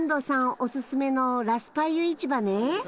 おススメのラスパイユ市場ね。